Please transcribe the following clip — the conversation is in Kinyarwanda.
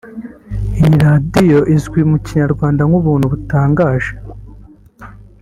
Iyi radiyo izwi mu Kinyarwanda nk’Ubuntu Butangaje